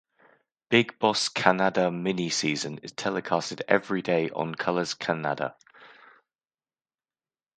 Bigg Boss Kannada Mini Season is telecasted everyday on Colors Kannada.